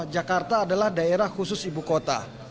jakarta adalah daerah khusus ibu kota